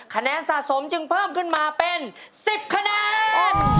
คะแนนสะสมจึงเพิ่มขึ้นมาเป็น๑๐คะแนน